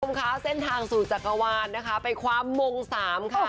คุณผู้ชมคะเส้นทางสู่จักรวาลนะคะไปคว้ามงสามค่ะ